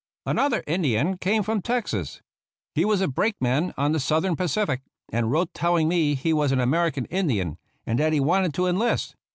Another Indian came from Texas. He was a brakeman on the Southern Pacific, and wrote telling me he was an American Indian, and that he wanted to enlist.